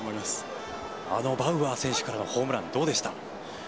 バウアー選手からのホームランどうでした？